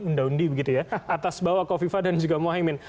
unda undi begitu ya atas bawah kofifa dan juga mohaimin